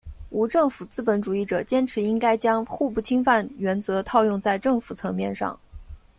无政府资本主义者坚持应该将互不侵犯原则套用在政府层面上。